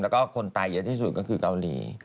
แล้วก็คนไทยที่สุดก็คือคะวลี